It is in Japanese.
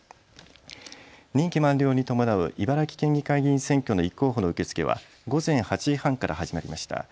任期満了に伴う茨城県議会議員選挙の立候補の受け付けは午前８時半から始まりました。